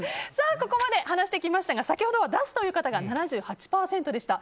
ここまで話してきましたが先ほどは出すという方が７８％でした。